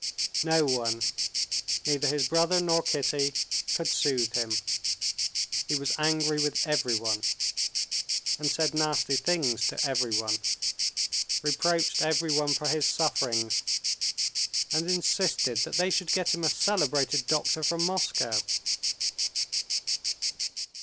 No one, neither his brother nor Kitty, could soothe him. He was angry with everyone, and said nasty things to everyone, reproached everyone for his sufferings, and insisted that they should get him a celebrated doctor from Moscow.